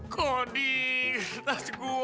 kodi kertas gue